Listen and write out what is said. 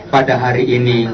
pada hari ini